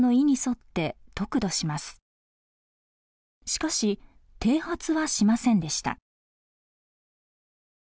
しかし剃髪はしませんでした。